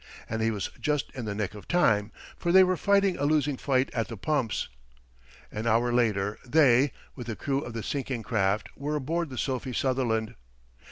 And he was just in the nick of time, for they were fighting a losing fight at the pumps. An hour later they, with the crew of the sinking craft were aboard the Sophie Sutherland.